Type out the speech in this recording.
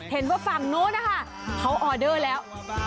เห็นว่าฝั่งนู้นนะคะเขาออเดอร์แล้ว